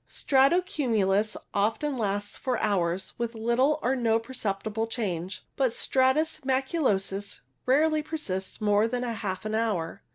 Strato cumulus often lasts for hours, with little or no perceptible change, but stratus maculosus rarely persists for more than half an hour.